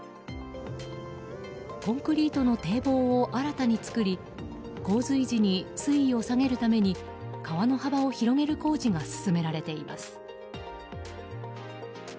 コンクリートの堤防を新たに作り洪水時に水位を下げるために川の幅を広げる工事が進められています。